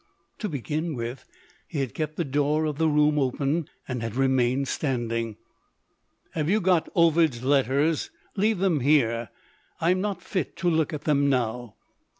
To begin with, he had kept the door of the room open, and had remained standing. "Have you got Ovid's letters? Leave them here; I'm not fit to look at them now."